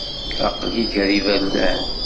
Aqli gar iberdan.